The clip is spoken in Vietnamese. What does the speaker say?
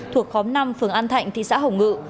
thuộc khóm năm phường an thạnh thị xã hồng ngự